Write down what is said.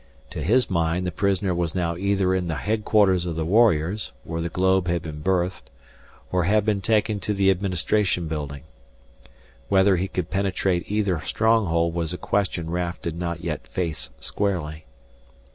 To his mind the prisoner was now either in the headquarters of the warriors, where the globe had been berthed, or had been taken to the administration building. Whether he could penetrate either stronghold was a question Raf did not yet face squarely.